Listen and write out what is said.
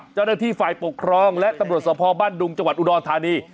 เจ้าหน้าที่ฝ่ายปกครองและตำรวจสภบ้านดุงจังหวัดอุดรธานี